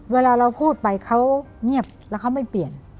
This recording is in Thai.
เวลาเราพูดไปเขาเงียบแล้วเขาไม่เปลี่ยน